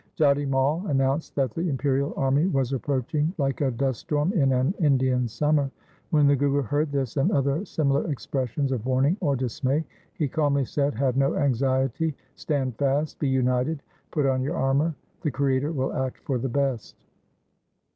Jati Mai announced that the imperial army was approaching like a dust storm in an Indian summer. When the Guru heard this and other similar expressions of warning or dismay, he calmly said, ' Have no anxiety, stand fast, be united, put on your armour. The Creator will act for the best.'